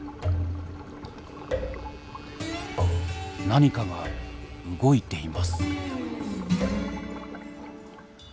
何かが動いています。